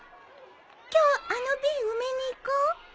今日あの瓶埋めに行こう。